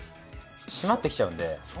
しまってきちゃうんで。